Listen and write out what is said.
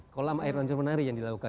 kolam air lancar menari yang dilakukan